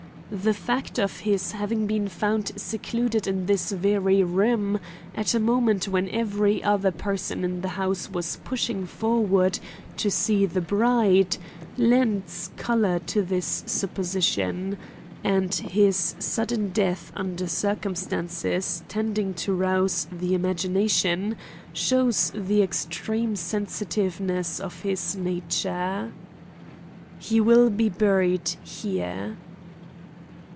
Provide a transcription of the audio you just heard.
The fact of his having been found secluded in this very room, at a moment when every other person in the house was pushing forward to see the bride, lends color to this supposition; and his sudden death under circumstances tending to rouse the imagination shows the extreme sensitiveness of his nature. "He will be buried here."